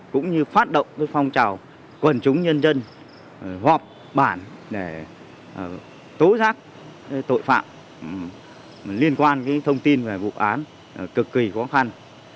cũng như phát động phong trào quần chúng nhân dân họp bản để tố giác tội phạm liên quan thông tin về vụ án cực kỳ khó khăn